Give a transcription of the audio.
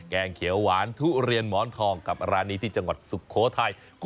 แกงเขียวหวานทุเรียนหมอนทองกับร้านนี้ที่จังหวัดสุโขทัย